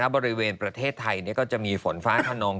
บริเวณประเทศไทยก็จะมีฝนฟ้าขนอง